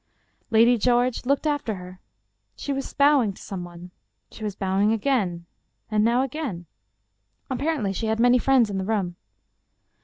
Lady George looked after her. She was bowing to some one. She was bowing again — and now again. Apparently she had many friends in the room.